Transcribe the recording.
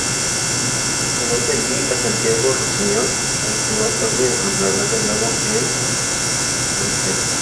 Conoce allí a Santiago Rusiñol, al que más tarde encontrará de nuevo en Aranjuez.